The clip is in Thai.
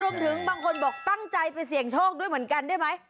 บางคนบอกตั้งใจไปเสี่ยงโชคด้วยเหมือนกันได้ไหม